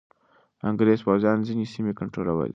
انګریز پوځیان ځینې سیمې کنټرولوي.